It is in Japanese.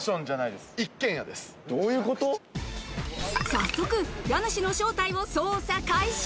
早速、家主の正体を捜査開始。